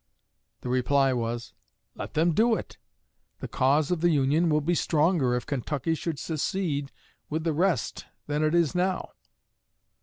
The reply was: "Let them do it. The cause of the Union will be stronger if Kentucky should secede with the rest than it is now."